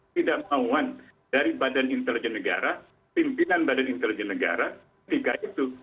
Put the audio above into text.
tidak mauan dari badan intelijen negara pimpinan badan intelijen negara ketika itu